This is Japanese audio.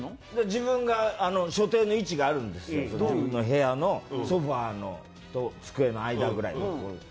自分が所定の位置があるんですよ、部屋のソファーと机の間くらい。